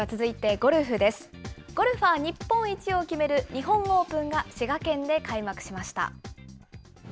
ゴルファー日本一を決める日本オープンが、滋賀県で開幕しました。